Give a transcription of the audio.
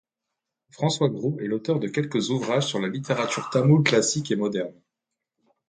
François Gros est l'auteur de quelques ouvrages sur la littérature tamoule classique et moderne.